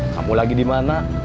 kamu lagi di mana